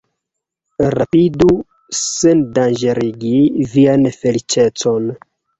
rapidu sendanĝerigi vian feliĉecon!